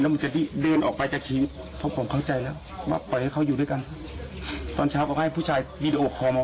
แล้วมึงจะเดินออกไปจากที